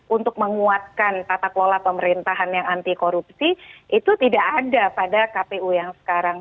untuk menguatkan tata kelola pemerintahan yang anti korupsi itu tidak ada pada kpu yang sekarang